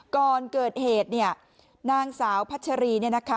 ก่อนเกิดเหตุเนี่ยนางสาวพัชรีเนี่ยนะคะ